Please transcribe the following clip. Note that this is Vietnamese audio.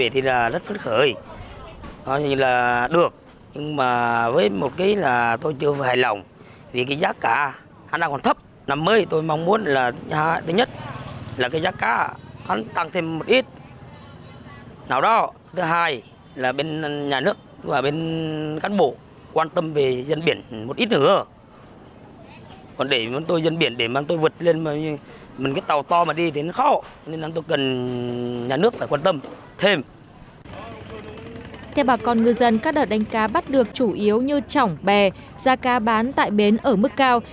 theo bà con ngư dân các đợt đánh cá bắt được chủ yếu như trỏng bè ra cá bán tại bến ở mức cao